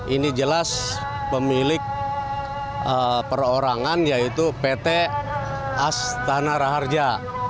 ini jelas pemilik perorangan yaitu pt astana raharja